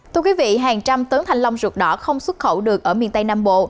thưa quý vị hàng trăm tấn thanh long ruột đỏ không xuất khẩu được ở miền tây nam bộ